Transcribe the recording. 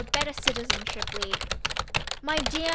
"Better Citizenship" League, MY DEAR MR.